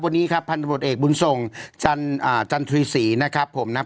วันนี้ครับพันธบทเอกบุญส่งจันทรีศรีนะครับผมนะครับ